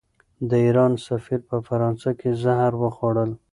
د ایران سفیر په فرانسه کې زهر وخوړل.